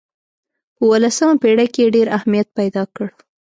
په اولسمه پېړۍ کې یې ډېر اهمیت پیدا کړ.